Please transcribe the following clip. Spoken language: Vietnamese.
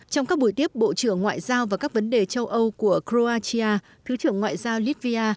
trong các buổi tiếp bộ trưởng ngoại giao và các vấn đề châu âu của croatia thứ trưởng ngoại giao lithi